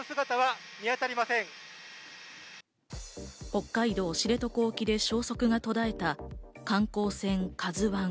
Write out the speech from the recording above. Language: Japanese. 北海道知床沖で消息が途絶えた観光船「ＫＡＺＵ１」。